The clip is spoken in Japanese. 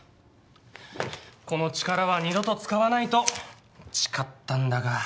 この力は二度と使わないと誓ったんだが。